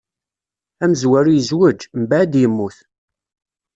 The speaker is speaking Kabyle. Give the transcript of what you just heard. Amezwaru izweǧ, mbeɛd yemmut.